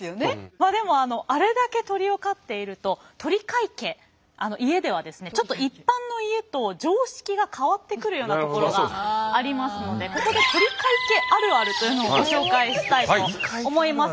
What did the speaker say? まあでもあれだけ鳥を飼っていると鳥飼家家ではですねちょっと一般の家と常識が変わってくるようなところがありますのでここで鳥飼家あるあるというのをご紹介したいと思います。